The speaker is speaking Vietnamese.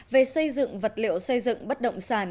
về xây dựng vật liệu xây dựng bất động sản